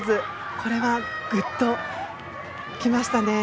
これはグッときましたね。